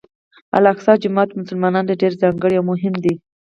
الاقصی جومات مسلمانانو ته ډېر ځانګړی او مهم دی.